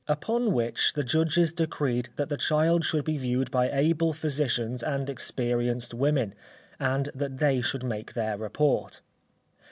Upon which the judges decreed that the child should be viewed by able physicians and experienced women, and that they should make their report.